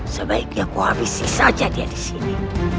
sebaiknya aku habisi saja dia disini